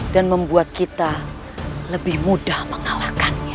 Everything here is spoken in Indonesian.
dan membuat kita lebih mudah mengalahkannya